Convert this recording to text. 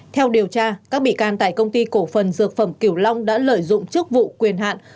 theo điều tra các bị can tại công ty cổ phần dược phẩm kiểu long đã lợi dụng chức vụ quyền hạn